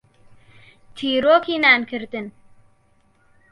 تیرۆکی نانکردن.